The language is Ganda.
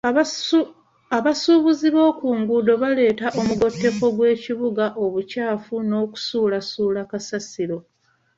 Abasuubuzi b'oku nguudo baleeta omugotteko gw'ebidduka, obukyafu n'okusuulasuula kasasiro.